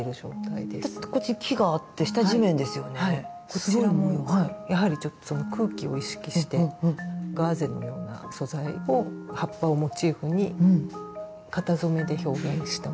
こちらもやはりちょっと空気を意識してガーゼのような素材を葉っぱをモチーフに型染めで表現したものです。